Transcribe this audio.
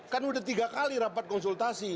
kan udah tiga kali rapat konsultasi